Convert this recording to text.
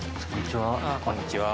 こんにちは。